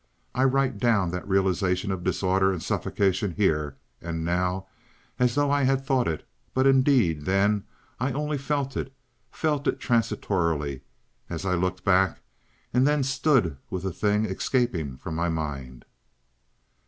I write down that realization of disorder and suffocation here and now as though I had thought it, but indeed then I only felt it, felt it transitorily as I looked back, and then stood with the thing escaping from my mind.